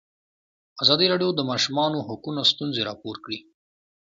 ازادي راډیو د د ماشومانو حقونه ستونزې راپور کړي.